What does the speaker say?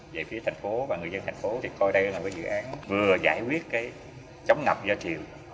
dạy phía thành phố và người dân thành phố thì coi đây là một dự án vừa giải quyết chống ngập do triều